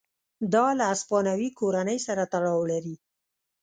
دا له هسپانوي کورنۍ سره تړاو لري.